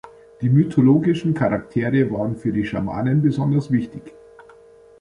Die mythologischen Charaktere waren für die Schamanen besonders wichtig.